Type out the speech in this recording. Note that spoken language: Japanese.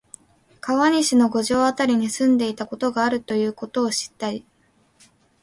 川西の五条あたりに住んでいたことがあるということを知ったり、